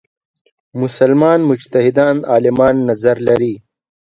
مسلمان مجتهدان عالمان نظر لري.